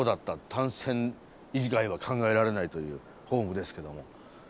単線以外は考えられないというホームですけども。